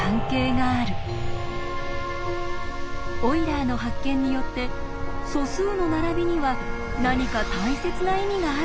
オイラーの発見によって「素数の並びには何か大切な意味があるかもしれない！」。